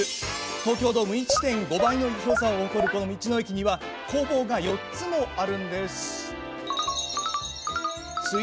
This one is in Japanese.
東京ドーム１．５倍の広さを誇るこの道の駅には工房が４つもあるんです。